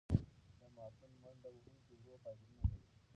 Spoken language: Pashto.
د ماراتون منډهوهونکي ورو فایبرونه لري.